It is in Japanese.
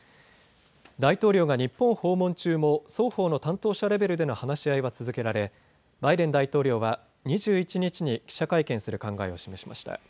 大統領が日本訪問中も双方の担当者レベルでの話し合いは続けられバイデン大統領は２１日に記者会見する考えを示しました。